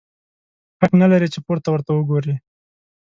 حق نه لرې چي پورته ورته وګورې!